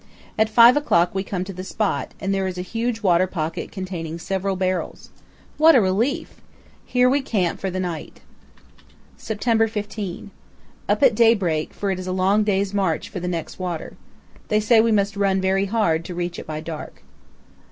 At five o'clock we come to the spot, and there is a huge water pocket containing several barrels. What a relief! Here we camp for the night. September 15. Up at daybreak, for it is a long day's march to the next water. They say we must "run very hard" to reach it by dark.